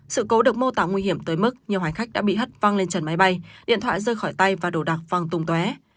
sự cố được mô tả nguy hiểm tới mức nhiều hành khách đã bị hắt văng lên trần máy bay điện thoại rơi khỏi tay và đổ đặc văng tùng tué